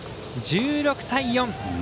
１６対４。